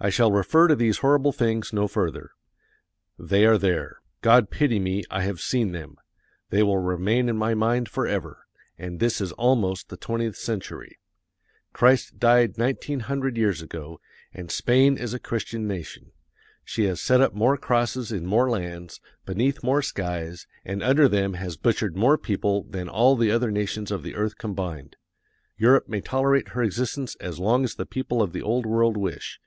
I shall refer to these horrible things no further. They are there. God pity me, I have seen them; they will remain in my mind forever and this is almost the twentieth century. Christ died nineteen hundred years ago, and Spain is a Christian nation. She has set up more crosses in more lands, beneath more skies, and under them has butchered more people than all the other nations of the earth combined. Europe may tolerate her existence as long as the people of the Old World wish.